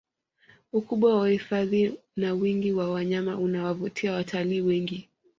ukubwa wa hifadhi na wingi wa wanyama unawavutia watalii wengi